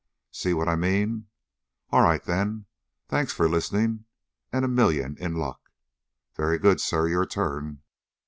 See what I mean? All right, then. Thanks for listening, and a million in luck. Very good, sir. Your turn."